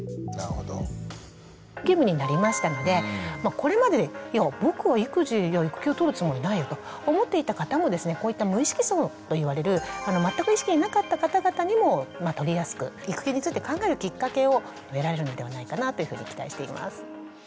義務になりましたのでこれまで「いや僕は育児育休取るつもりないよ」と思っていた方もですねこういった無意識層といわれる全く意識になかった方々にも取りやすく育休について考えるきっかけを得られるのではないかなというふうに期待しています。